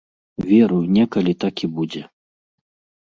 Веру, некалі так і будзе.